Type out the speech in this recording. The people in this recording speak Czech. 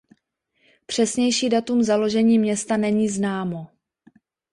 Přesnější datum založení města není známo.